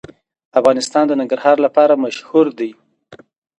افغانستان د ننګرهار لپاره مشهور دی.